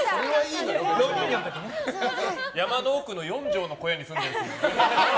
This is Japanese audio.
山の奥の４畳の小屋に住んでるんですよ。